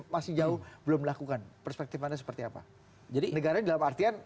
masih jauh belum melakukan perspektif anda seperti apa jadi negara di dalam artian ini tentu saja